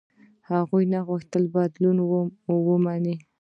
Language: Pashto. هغوی نه غوښتل بدلون ومني.